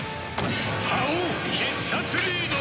「刃王必殺リード！」